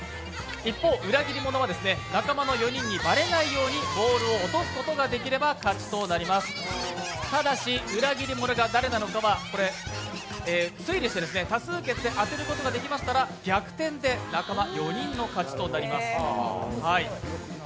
一方、裏切り者は仲間の４人にバレないようにボールを落とすことができれば勝ちとなりますただし裏切り者が誰なのかは推理して、多数決で当てることができますので、逆転で仲間４人の勝ちです。